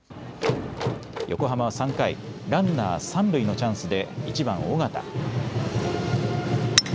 横浜３回、ランナー三塁のチャンスで１番・緒方。